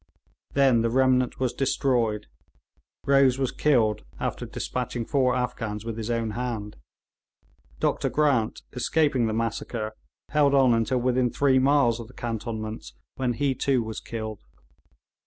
Then the remnant was destroyed. Rose was killed, after despatching four Afghans with his own hand. Dr Grant, escaping the massacre, held on until within three miles of the cantonments, when he too was killed.